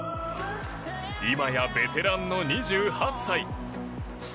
今やベテランの２８歳。